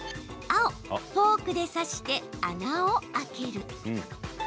青・フォークで刺して穴をあける。